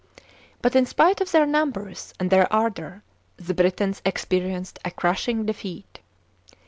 But in spite of their numbers and their ardour, the Britons experienced a crushing defeat.